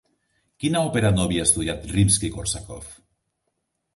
Quina òpera no havia estudiat Rimski-Kórsakov?